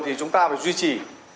thì chúng ta phải duy trì